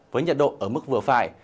với nhiệt độ ở mức vừa phải